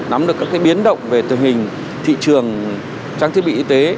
nắm được các biến động về tình hình thị trường trang thiết bị y tế